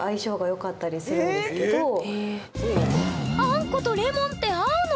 あんことレモンって合うの？